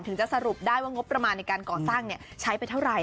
จะสรุปได้ว่างบประมาณในการก่อสร้างใช้ไปเท่าไหร่